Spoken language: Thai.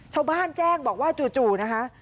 ชาวบ้านแจ้งบอกว่าจู่นะคะ